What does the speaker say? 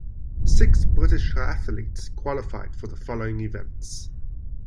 Six British triathletes qualified for the following events.